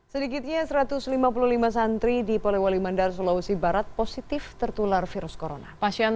sedikitnya satu ratus lima puluh lima santri di polewali mandar sulawesi barat positif tertular virus corona pasien